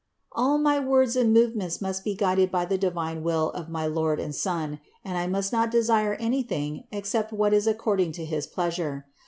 All my words and move ments must be guided by the divine will of my Lord and Son and I must not desire anything except what is ac cording to his pleasure.